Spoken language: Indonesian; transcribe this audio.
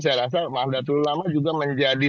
saya rasa mahdal tualama juga menjadi